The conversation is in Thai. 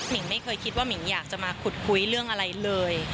่งไม่เคยคิดว่ามิ่งอยากจะมาขุดคุยเรื่องอะไรเลย